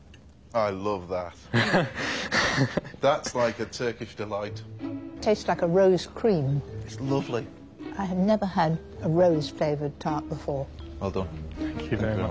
はい。